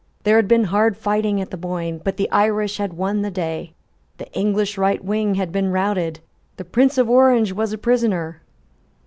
There had been hard fighting at the Boyne; but the Irish had won the day; the English right wing had been routed; the Prince of Orange was a prisoner.